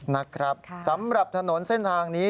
นะครับสำหรับถนนเส้นทางนี้